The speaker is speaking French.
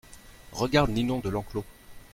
Regarde Ninon de Lenclos !